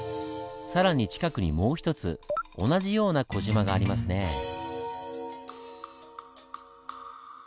更に近くにもう一つ同じような小島がありますねぇ。